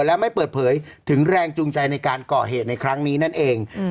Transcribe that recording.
และไม่เปิดเผยถึงแรงจูงใจในการก่อเหตุในครั้งนี้นั่นเอง